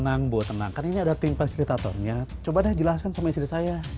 senang bu tenang kan ini ada tim fasilitatornya coba deh jelaskan sama istri saya